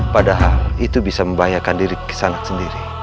padahal itu bisa membahayakan diri kisanak sendiri